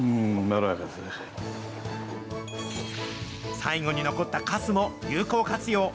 最後に残ったかすも有効活用。